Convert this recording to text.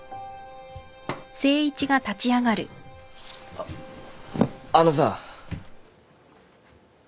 あっあのさ。